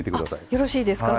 あよろしいですか？